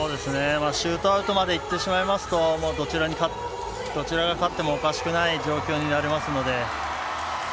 シュートアウトまでいってしまいますとどちらが勝ってもおかしくない状況になりますので。